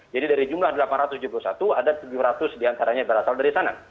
jadi dari jumlah delapan ratus tujuh puluh satu ada tujuh ratus diantaranya berasal dari sana